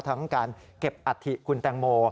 ทั้งการเก็บอัฐิคุณแตงโม